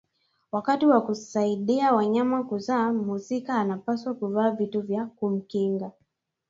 Wakati wa kusaidia wanyama kuzaa mhusika anapaswa kuvaa vitu vya kumkinga